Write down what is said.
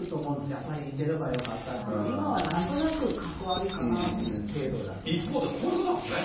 やっぱり、出ればよかったって、今はなんとなくかっこ悪いかなっ一方でこういうこともね。